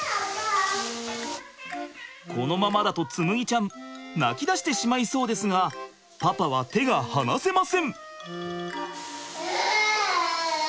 このままだと紬ちゃん泣きだしてしまいそうですがパパは手が離せません！